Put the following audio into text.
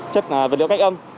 chất vật liệu cách âm